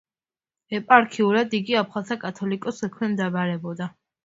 ეპარქიულად იგი აფხაზთა კათოლიკოსს ექვემდებარებოდა.